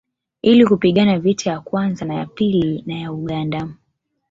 Ili kupigana vita ya kwanza na ya pili na ya Uganda